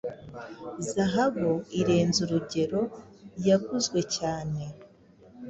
Zahabu irenze urugeroyaguzwe cyane